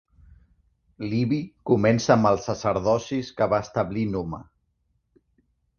Livy comença amb els sacerdocis que va establir Numa.